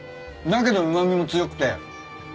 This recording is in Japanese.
だけどうま味も強くて。